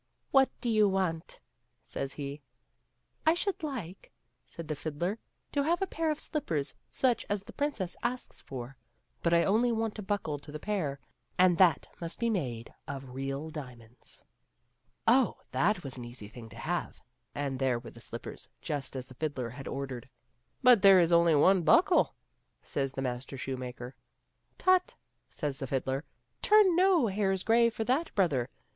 " What do you want ?'* says he. " I should like," said the fiddler, " to have a pair of slippers such as the princess asks for, but I only want one buckle to the pair, and that must be made of real diamonds.'* 26+ THE STAFF AND THE FIDDLE. Oh ! that was an easy thing to have, and there were the slippers just as the fiddler had ordered. But there is only one buckle/' says the master shoemaker. " Tut !" says the fiddler, " turn no hairs grey for that, brother.